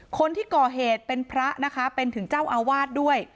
คนที่ก่อเหตุเป็นพระนะคะเป็นถึงเจ้าอาวาสด้วย